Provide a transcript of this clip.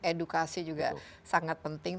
edukasi juga sangat penting